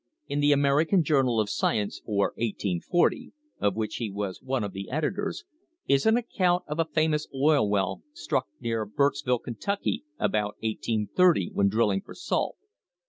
In the "American Journal of Sci ence" for 1840 — of which he was one of the editors — is an ac count of a famous oil well struck near Burkesville, Kentucky, about 1830, when drilling for salt.